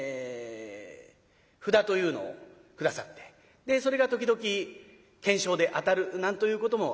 札というのを下さってそれが時々懸賞で当たるなんということもあったようでございます。